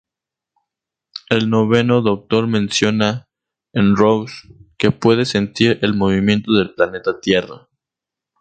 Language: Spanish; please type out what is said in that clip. El Noveno Doctor menciona en "Rose" que puede sentir el movimiento del planeta Tierra.